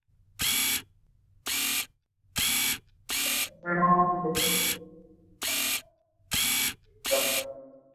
La intención de Hari es incluirlo en la Segunda Fundación.